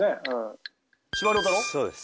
そうです。